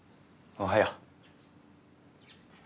おはよう。